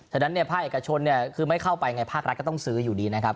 ฉะนั้นเนี่ยภาคเอกชนเนี่ยคือไม่เข้าไปไงภาครัฐก็ต้องซื้ออยู่ดีนะครับ